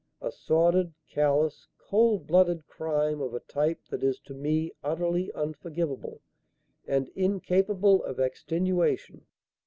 "A sordid, callous, cold blooded crime of a type that is to me utterly unforgivable and incapable of extenuation.